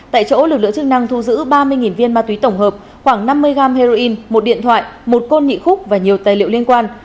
tại chỗ lực lượng chức năng thu giữ ba mươi viên ma túy tổng hợp khoảng năm mươi g heroin một điện thoại một côn nhị khúc và nhiều tài liệu liên quan